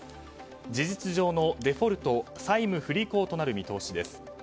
事実上のデフォルト・債務不履行となる見通しです。